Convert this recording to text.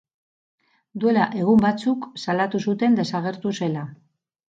Duela egun batzuk salatu zuten desagertu zela.